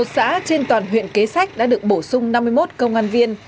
một mươi một xã trên toàn huyện kế sách đã được bổ sung năm mươi một công an viên